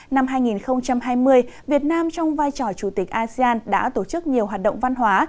năm hai nghìn hai mươi việt nam trong vai trò chủ tịch asean đã tổ chức nhiều hoạt động văn hóa